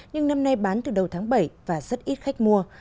nhưng năm nay bán từ đầu tháng bảy và rất ít khách mua